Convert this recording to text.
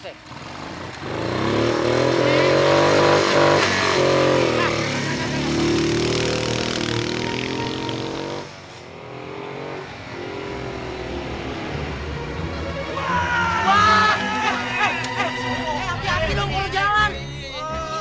eh api dong perlu jalan